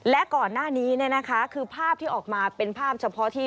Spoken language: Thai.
และก่อนหน้านี้คือภาพที่ออกมาเป็นภาพเฉพาะที่